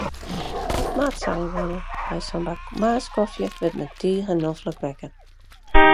It moat sein wurde, mei sa'n bak moarnskofje wurdt men tige noflik wekker.